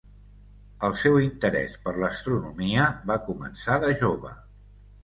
El seu interès per l'astronomia va començar de jove.